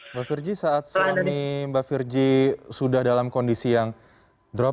mbak firji saat suami mbak virgi sudah dalam kondisi yang drop